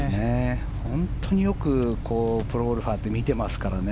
本当によくプロゴルファーって見ていますからね。